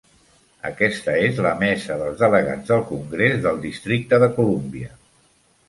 Aquesta és la mesa dels delegats del Congrés del districte de Columbia.